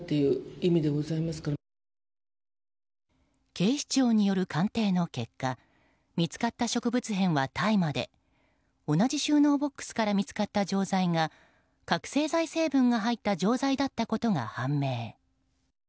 警視庁による鑑定の結果見つかった植物片は大麻で同じ収納ボックスから見つかった錠剤が覚醒剤成分が入った錠剤だったことが判明。